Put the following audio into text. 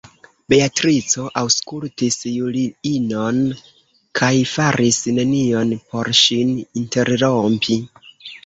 Beatrico aŭskultis Juliinon, kaj faris nenion por ŝin interrompi.